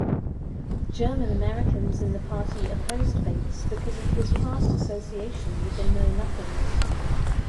German-Americans in the party opposed Bates because of his past association with the Know-Nothings.